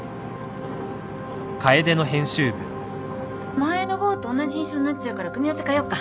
前の号とおんなじ印象になっちゃうから組み合わせ変えよっか。